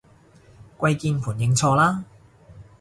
跪鍵盤認錯啦